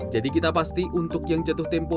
jadi kita pasti untuk yang jatuh tempo